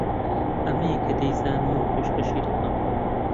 ئەمەیە کە دەیزانم و پێشکەشی دەکەم